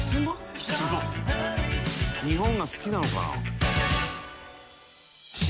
「ふすま」「日本が好きなのかな」